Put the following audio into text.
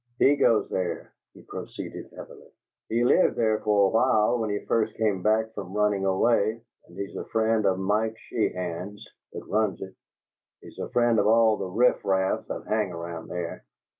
"He goes there!" he proceeded heavily. "He lived there for a while when he first came back from running away, and he's a friend of Mike Sheehan's that runs it; he's a friend of all the riff raff that hang around there."